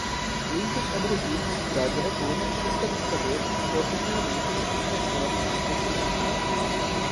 leivas, abrasivos, grade aradora, escarificador, porta-ferramentas, espaçados, espaçamento